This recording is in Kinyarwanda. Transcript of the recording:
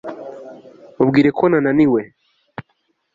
mubwire ko naniwe